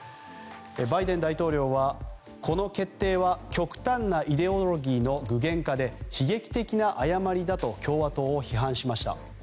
バイデン大統領はこの決定は極端なイデオロギーの具現化で悲劇的に誤りだと共和党を批判しました。